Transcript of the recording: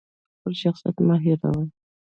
خپل شخصیت مه هیروه!